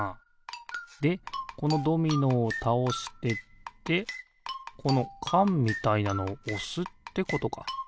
でこのドミノをたおしてってこのかんみたいなのをおすってことか。